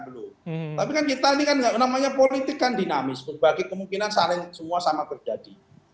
tapi kan kita ini kan namanya politik kan dinamis berbagi kemungkinan saat yang semua sama terjadi